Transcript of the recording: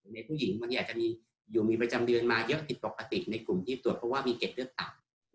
ในผู้หญิงบางทีอาจจะมีอยู่มีประจำเดือนมาเยอะผิดปกติในกลุ่มที่ตรวจเพราะว่ามีเกร็ดเลือดต่ำ